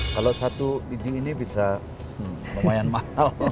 kalau satu izin ini bisa lumayan mahal